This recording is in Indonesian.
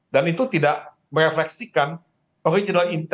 dan itu tidak merefleksikan original intent ya